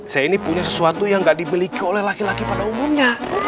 saya ini punya sesuatu yang tidak dimiliki oleh laki laki pada umumnya